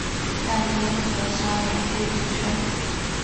饭店可享免费停车